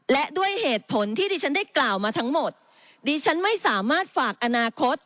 และด้วยเหตุผลที่ดิฉันได้กล่าวมาทั้งหมดดิฉันไม่สามารถฝากอนาคต